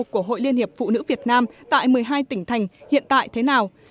của hội liên hiệp phụ nữ việt nam tại một mươi hai tỉnh thành hiện tại thế nào